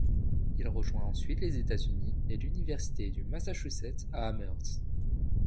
Il rejoint ensuite les États-Unis et l'université du Massachusetts à Amherst.